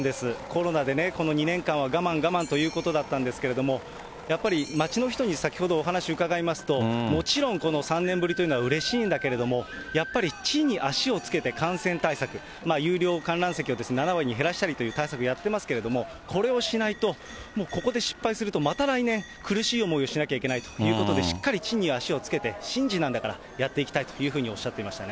コロナでこの２年間は我慢我慢ということだったんですけれども、やっぱり街の人に先ほど、お話伺いますと、もちろんこの３年ぶりというのはうれしいんだけれども、やっぱり地に足をつけて感染対策、有料観覧席を７割に減らしたりという対策やってますけど、これをしないと、もうここで失敗すると、また来年、苦しい思いをしなきゃいけないということで、しっかり地に足をつけて、神事なんだからやっていきたいというふうにおっしゃっていました